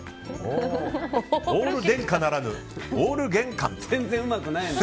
オール電化ならぬオール玄関。